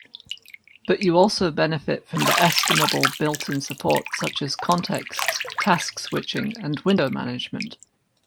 But you also benefit from the estimable built-in support such as contexts, task switching, and window management.